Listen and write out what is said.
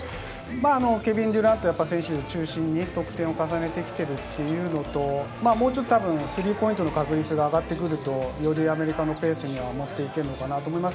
ケビン・デュラント選手を中心に得点を重ねてきているというのと、もうちょっとスリーポイントの確率が上がってくると、よりアメリカのペースに持っていけるのかなと思います。